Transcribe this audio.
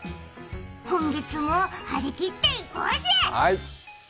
今月も張り切っていこうぜ！